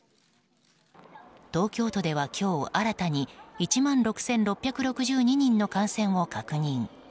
東京都では今日新たに１万６６６２人の感染を確認。